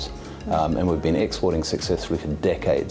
dan kita telah mendapatkan sukses dalam beberapa dekade